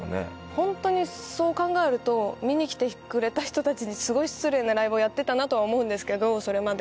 ホントにそう考えると見に来てくれた人たちにすごい失礼なライブをやってたなとは思うんですけどそれまで。